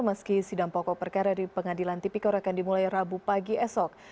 meski sidang pokok perkara di pengadilan tipikor akan dimulai rabu pagi esok